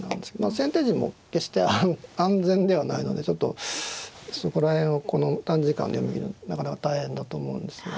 先手陣も決して安全ではないのでちょっとそこら辺をこの短時間で読み切るのなかなか大変だと思うんですが。